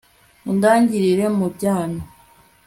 undangirire mu byano..